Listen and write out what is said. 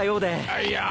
あっいやあ。